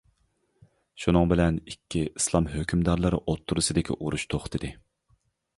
شۇنىڭ بىلەن ئىككى ئىسلام ھۆكۈمدارلىرى ئوتتۇرىسىدىكى ئۇرۇش توختىدى.